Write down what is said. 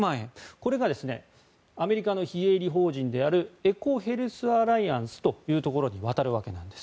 これがアメリカの非営利法人であるエコヘルスアライアンスというところに渡るわけです。